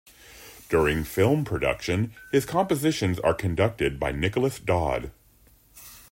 During film production, his compositions are conducted by Nicholas Dodd.